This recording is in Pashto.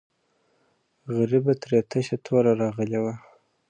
غریبه ترې تشه توره راغلې وه.